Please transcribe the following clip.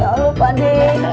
ya allah pade